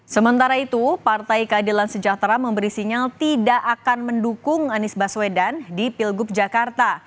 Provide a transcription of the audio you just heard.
sementara itu partai keadilan sejahtera memberi sinyal tidak akan mendukung anies baswedan di pilgub jakarta